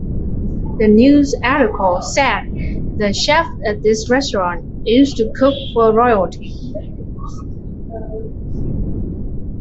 The news article said the chef at this restaurant used to cook for royalty.